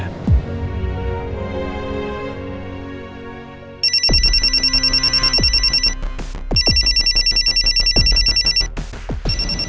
aku mau pergi